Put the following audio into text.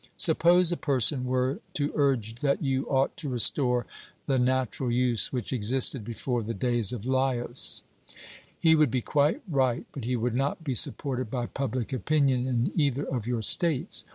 Suppose a person were to urge that you ought to restore the natural use which existed before the days of Laius; he would be quite right, but he would not be supported by public opinion in either of your states.